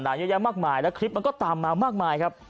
และคลิปมันก็ตามมามากมาย